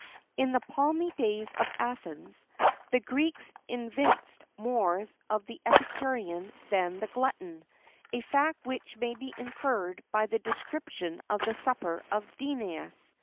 In the palmy days of Athens, the Greeks evinced more of the epicurean than the glutton a fact which may be inferred from the description of the supper of Dinias.